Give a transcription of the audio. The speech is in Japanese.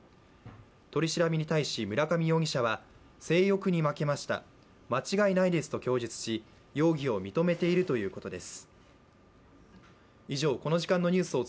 取り調べに対し村上容疑者は性欲に負けました、間違いないですと供述し容疑を認めているということです。